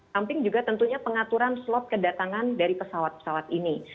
samping juga tentunya pengaturan slot kedatangan dari pesawat pesawat ini